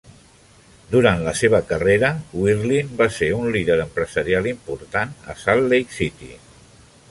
Durant la seva carrera, Wirthlin va ser un líder empresarial important a Salt Lake City.